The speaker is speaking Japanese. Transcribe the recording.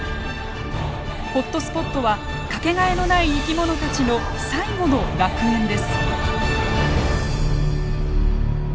ホットスポットは掛けがえのない生き物たちの最後の楽園です。